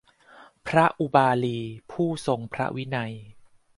พระอุบาลี ผู้ทรงพระวินัย